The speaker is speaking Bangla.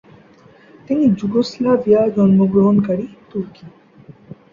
তিনি যুগোস্লাভিয়া জন্মগ্রহণকারী তুর্কি।